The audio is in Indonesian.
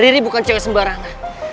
riri bukan cewek sembarangan